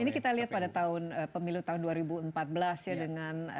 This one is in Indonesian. ini kita lihat pada tahun pemilu tahun dua ribu empat belas ya dengan